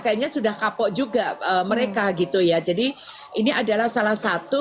kayaknya sudah kapok juga mereka gitu ya jadi ini adalah salah satu